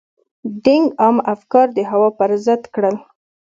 دینګ عامه افکار د هوا پر ضد کړل.